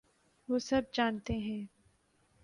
وہ سب جانتے ہیں۔